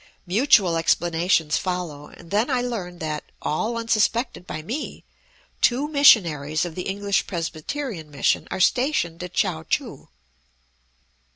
Mutual explanations follow, and then I learn that, all unsuspected by me, two missionaries of the English Presbyterian mission are stationed at Chao choo.